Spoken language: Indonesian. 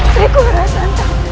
saya kuara rasanta